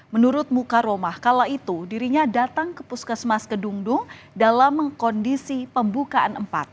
dua ribu dua puluh empat menurut muka roma kala itu dirinya datang ke puskesmas kedungdung dalam mengkondisi pembukaan